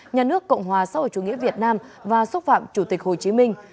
nhà nước cộng hòa xã hội chủ nghĩa việt nam và xúc phạm chủ tịch hồ chí minh